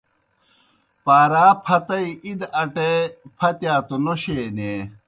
پار آ پھتَئی اِدہ اٹیے پھتِیا توْ نوشے نیں۔